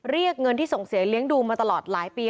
เรียกเงินที่ส่งเสียเลี้ยงดูมาตลอดหลายปี